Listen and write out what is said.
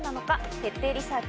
徹底リサーチ。